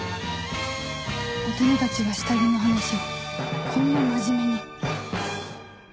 大人たちが下着の話をこんな真面目に